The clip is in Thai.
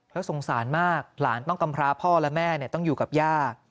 แล้วสงสารมากหลานต้องกำพราพ่อและแม่ต้องอยู่กับย่า